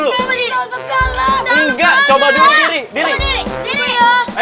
lihat dia teman kita